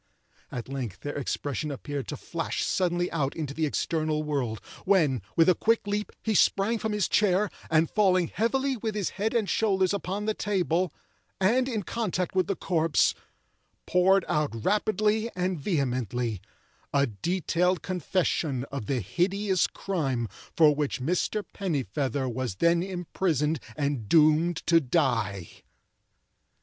At length their expression appeared to flash suddenly out into the external world, when, with a quick leap, he sprang from his chair, and falling heavily with his head and shoulders upon the table, and in contact with the corpse, poured out rapidly and vehemently a detailed confession of the hideous crime for which Mr. Pennifeather was then imprisoned and doomed to die.